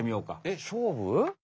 えっ勝負！？